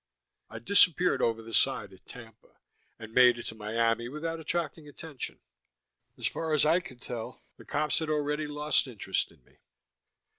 I disappeared over the side at Tampa, and made it to Miami without attracting attention. As far as I could tell, the cops had already lost interest in me.